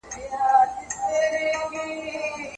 غوسه د انسان لپاره يو سخت منفي احساس دی.